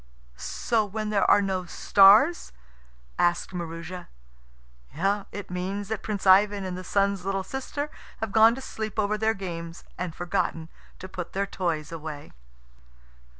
"So when there are no stars?" asked Maroosia. "It means that Prince Ivan and the Sun's little sister have gone to sleep over their games and forgotten to put their toys away."